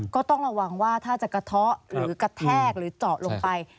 ก็ต้องระวังว่าถ้าจะกระเทาะหรือกระแทกหรือเจาะลงไป